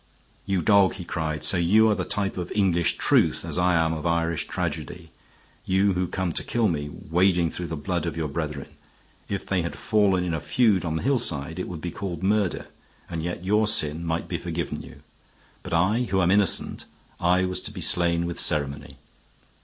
"You dog!" he cried. "So you are the type of English truth, as I am of Irish tragedy you who come to kill me, wading through the blood of your brethren. If they had fallen in a feud on the hillside, it would be called murder, and yet your sin might be forgiven you. But I, who am innocent, I was to be slain with ceremony.